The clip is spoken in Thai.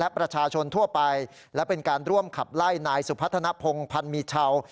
และประชาชนทั่วไปและเป็นการร่วมขับไล่นายสุพัฒนภงพันธ์มีชาว